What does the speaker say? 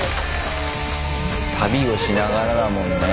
旅をしながらだもんね。